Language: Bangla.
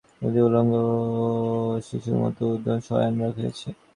পদ্মার দুই শাখাবাহুর মাঝখানে এই শুভ্রদ্বীপটি উলঙ্গ শিশুর মতো ঊর্ধ্বমুখে শয়ান রহিয়াছে।